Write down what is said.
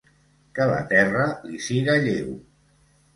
Que la terra li siga lleu.